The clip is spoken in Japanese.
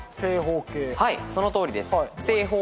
はいそのとおりです。